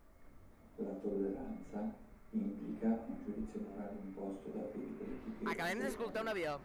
La tolleranza implica un giudizio morale imposto da fedi politiche o sociali.